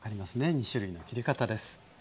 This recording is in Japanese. ２種類の切り方です。